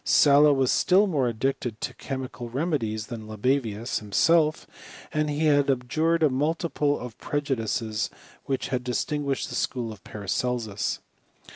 Sala was still more addicted to chemical remedies than Libavius himself; but he had abjured a multitude of preju dices which had distinguished the school of Paracelsus.